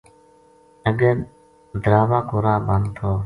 اگے دراوہ کو راہ بند تھو